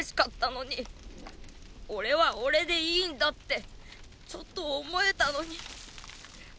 俺は俺でいいんだってちょっと思えたのに。